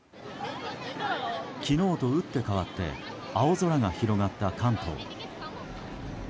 昨日と打って変わって青空が広がった関東。